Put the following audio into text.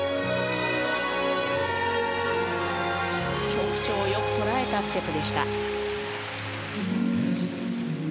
曲調をよく捉えたステップでした。